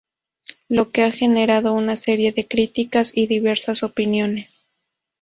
Lo que ha generado una serie de criticas y diversas opiniones.